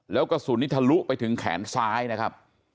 แล้วกระสุนนี้ทะลุไปถึงแขนซ้ายนะครับ